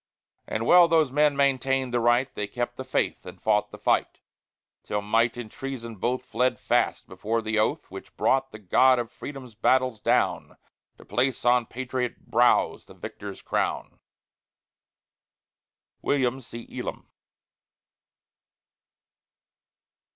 And well those men maintained the right; They kept the faith, and fought the fight; Till Might and Treason both Fled fast before the oath Which brought the God of Freedom's battles down To place on patriot brows the victor's crown! WILLIAM C. ELAM.